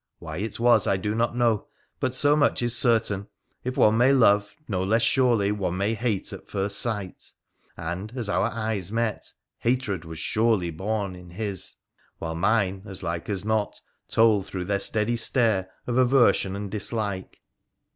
Why it was I do not know, but so much is certain, if one may love, no less surely may one hate at first sight, and as our eyes met, hatred was surely born in his, while mine, as like as not, told through their steady stare, of aversion and dislike.